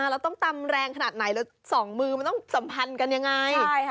เราต้องตำแรงขนาดไหนแล้วสองมือมันต้องสัมพันธ์กันยังไง